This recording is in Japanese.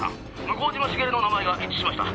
「向島茂の名前が一致しました。